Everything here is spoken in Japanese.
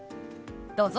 どうぞ。